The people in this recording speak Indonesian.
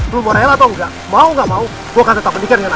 lu mau rela atau enggak mau gak mau gue akan tetap menikah dengan andi